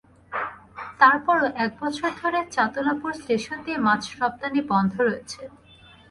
তারপরও এক বছর ধরে চাতলাপুর স্টেশন দিয়ে মাছ রপ্তানি বন্ধ রয়েছে।